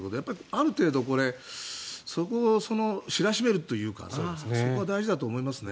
ある程度そこを知らしめるというかそこが大事だと思いますね。